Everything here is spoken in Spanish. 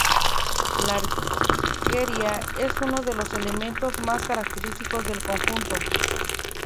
La arquería es uno de los elementos más característicos del conjunto.